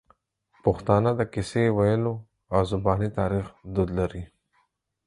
پښتانه د کیسې ویلو او زباني تاریخ دود لري.